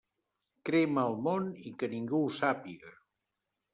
Crema el món i que ningú ho sàpiga.